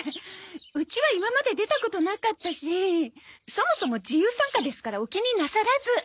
うちは今まで出たことなかったしそもそも自由参加ですからお気になさらず。